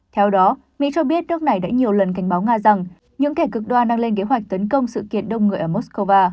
theo đó mỹ cho biết nước này đã nhiều lần cảnh báo nga rằng những kẻ cực đoan đang lên kế hoạch tấn công sự kiện đông người ở moscow